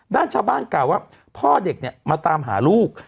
ด้านชาวบ้านกล่าวว่าพ่อเด็กเนี่ยมาตามหาลูก